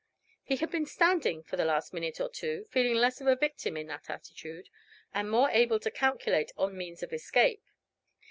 He had been standing for the last minute or two, feeling less of a victim in that attitude, and more able to calculate on means of escape.